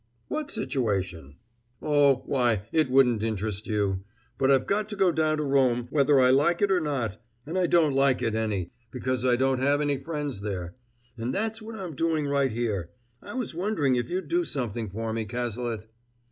"What situation?" "Oh, why, it wouldn't interest you! But I've got to go down to Rome, whether I like it or not, and I don't like it any, because I don't have any friends there. And that's what I'm doing right here. I was wondering if you'd do something for me, Cazalet?"